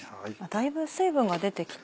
だいぶ水分が出てきて。